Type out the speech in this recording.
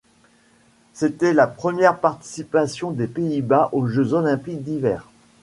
C'était la première participation des Pays-Bas aux Jeux olympiques d'hiver.